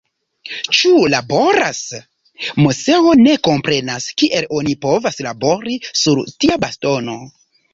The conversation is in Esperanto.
Ĉu laboros? Moseo ne komprenas kiel oni povas "labori" sur tia bastono.